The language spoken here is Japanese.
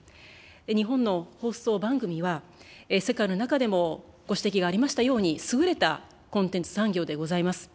日本の放送番組は、世界の中でも、ご指摘がありましたように、優れたコンテンツ産業でございます。